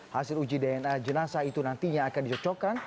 hasil uji dna jenasa itu nantinya akan dicocokkan